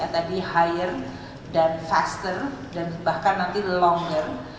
tadi hire dan faster dan bahkan nanti longer